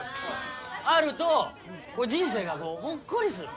あると人生がこうほっこりする。